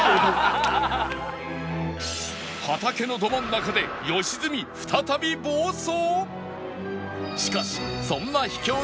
畑のど真ん中で良純再び暴走！？